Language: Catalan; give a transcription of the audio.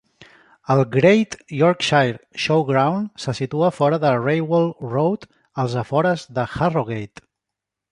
El Great Yorkshire Showground se situa fora de Railway Road, als afores de Harrogate.